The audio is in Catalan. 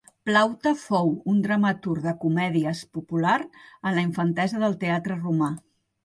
Plaute fou un dramaturg de comèdies popular en la infantesa del teatre romà.